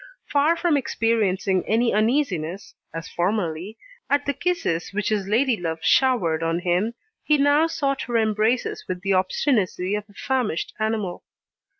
Far from experiencing any uneasiness, as formerly, at the kisses which his ladylove showered on him, he now sought her embraces with the obstinacy of a famished animal.